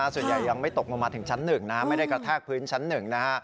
ส่วนใหญ่ยังไม่ตกลงมาถึงชั้น๑ไม่ได้กระแทกพื้นชั้น๑นะฮะ